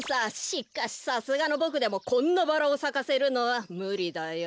しかしさすがのボクでもこんなバラをさかせるのはむりだよ。